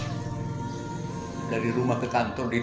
dari rumah saya dari rumah saya dari rumah saya